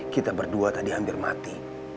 kita berdua tadi hampir mati